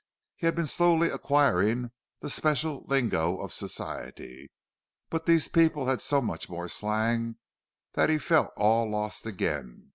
He had been slowly acquiring the special lingo of Society, but these people had so much more slang that he felt all lost again.